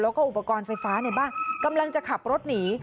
แล้วก็อุปกรณ์ไฟฟ้าในบ้านกำลังจะขับรถหนี